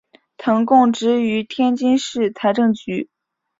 曾供职于天津市财政局。